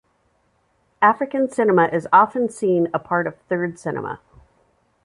African cinema is often seen a part of Third Cinema.